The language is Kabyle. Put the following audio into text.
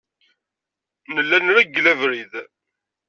Nella nreggel abrid.